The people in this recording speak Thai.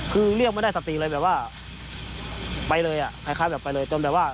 คือเรียกไม่ได้สติเลยแบบว่าไปเลยกับไปเลย